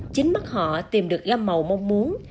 chính mắt họ tìm được gam màu mong muốn